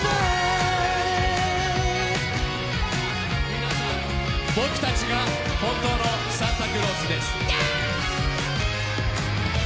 皆さん、僕たちが本当のサンタクロースです。